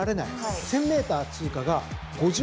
１，０００ｍ通過が５７秒６。